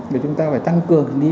để chúng ta tăng cường